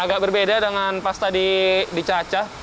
agak berbeda dengan pas tadi dicacah